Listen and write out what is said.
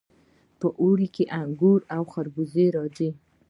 په اوړي کې انګور او خربوزې راځي.